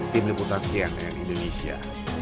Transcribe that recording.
tim liputan cnn indonesia